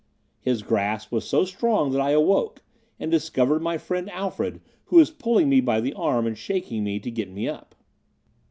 His grasp was so strong that I awoke, and discovered my friend Alfred, who was pulling me by the arm, and shaking me, to make me get up.